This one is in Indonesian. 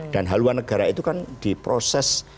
dan haluan negara itu kan diproses